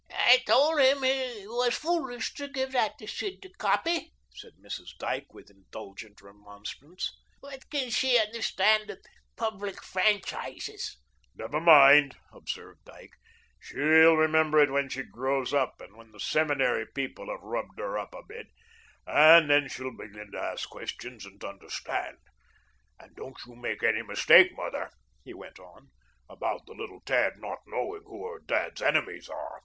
"I told him he was foolish to give that to Sid to copy," said Mrs. Dyke, with indulgent remonstrance. "What can she understand of public franchises?" "Never mind," observed Dyke, "she'll remember it when she grows up and when the seminary people have rubbed her up a bit, and then she'll begin to ask questions and understand. And don't you make any mistake, mother," he went on, "about the little tad not knowing who her dad's enemies are.